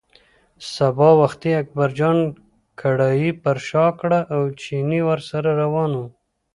سبا وختي اکبرجان کړایی پر شا کړه او چيني ورسره روان و.